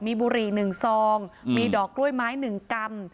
มีบุหรี่๑ซองมีดอกกล้วยไม้๑กรัม